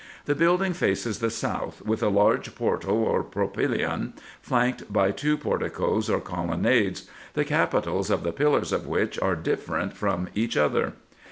The building faces the south, with a large portal or pro pylaeon, flanked by two porticoes or colonnades, the capitals of the pillars of which are different from each other.